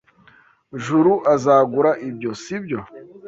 Juru azagura ibyo, sibyo?